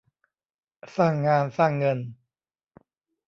สร้างงาน สร้างเงิน